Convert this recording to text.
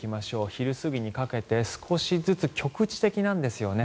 昼過ぎにかけて少しずつ、局地的なんですよね。